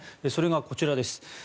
それがこちらです。